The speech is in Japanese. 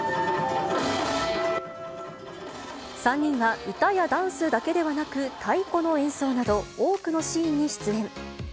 ３人は歌やダンスだけではなく、太鼓の演奏など、多くのシーンに出演。